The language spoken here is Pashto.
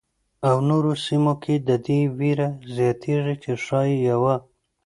او نورو سیمو کې د دې وېره زیاتېږي چې ښايي یوه.